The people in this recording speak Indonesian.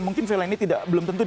mungkin film ini belum tentu